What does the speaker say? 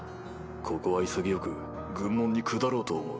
ここは潔く軍門に下ろうと思う。